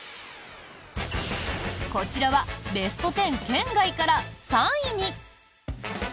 こちらはベスト１０圏外から３位に！